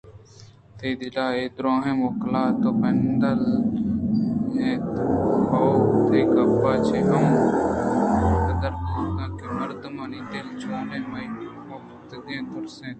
تئی دل ءَ اے دُرٛاہ قلاتءِ پندل اِت اَنت؟ ہئو! تئی گپاں چہ ہمے پدّربوت کہ مردمانی دل ءَچونیں مپتیں تُرس اَنت